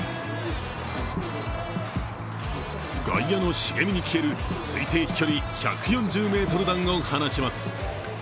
外野の茂みに消える推定飛距離１４０ｍ弾を放ちます。